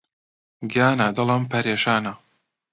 گیانە دڵم پەرێشانە